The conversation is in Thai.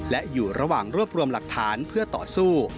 และอยู่ระหว่างรวบรวมหลักฐานเพื่อต่อสู้